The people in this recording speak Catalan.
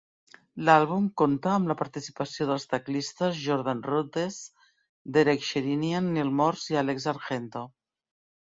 L'àlbum compta amb la participació dels teclistes Jordan Rudess, Derek Sherinian, Neal Morse i Alex Argento.